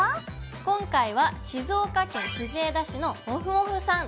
今回は静岡県藤枝市のもふもふさん